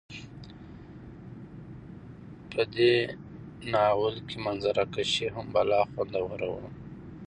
په دې ناول ته منظره کشي هم بلا خوندوره وه